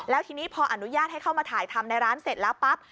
แล้วทีนี้พออนุญาตให้เข้ามาถ่ายทำในร้านเสร็จแล้วปั๊บ